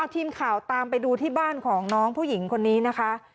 ทีมข่าวตามไปดูที่บ้านของน้องผู้หญิงคนนี้นะคะ